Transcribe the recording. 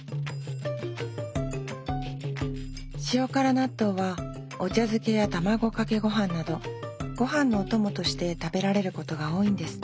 塩辛納豆はお茶漬けや卵かけ御飯など御飯のお供として食べられることが多いんですって。